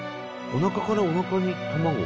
おなかからおなかに卵を？